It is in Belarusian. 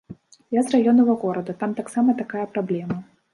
Я з раённага горада, там таксама такая праблема.